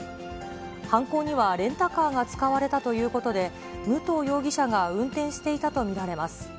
犯行にはレンタカーが使われたということで、武藤容疑者が運転していたと見られます。